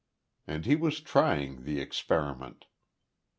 And he was trying the experiment.